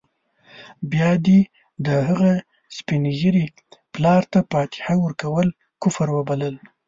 بيا دې د هغه سپین ږیري پلار ته فاتحه ورکول کفر وبلل.